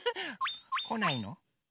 こないの？